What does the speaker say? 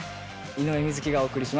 井上瑞稀がお送りします